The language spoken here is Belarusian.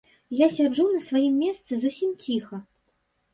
Я сяджу на сваім месцы зусім ціха.